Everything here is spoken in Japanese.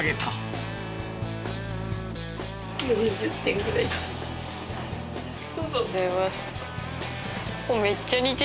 ありがとうございます。